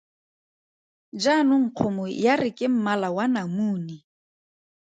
Jaanong kgomo ya re ke mmala wa namune.